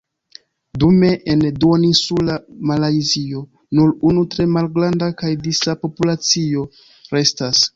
Dume en duoninsula Malajzio nur unu tre malgranda kaj disa populacio restas.